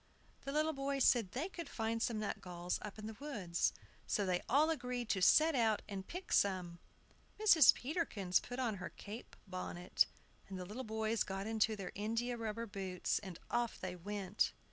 The little boys said they could find some nutgalls up in the woods. So they all agreed to set out and pick some. Mrs. Peterkins put on her cape bonnet, and the little boys got into their india rubber boots, and off they went.